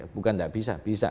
bukan tidak bisa bisa